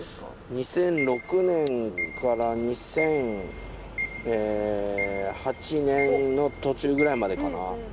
２００６年から２００８年の途中ぐらいまでかな。